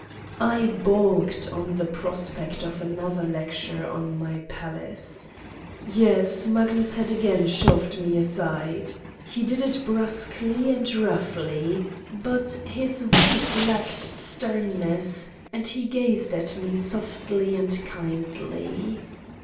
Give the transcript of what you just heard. " I balked at the prospect of another lecture on my palace! Yes, Magnus had again shoved me aside. He did it brusquely and roughly. But his voice lacked sternness and he gazed at me softly and kindly.